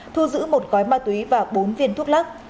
thu giữ một gói ma túy và bốn viên thuốc lắc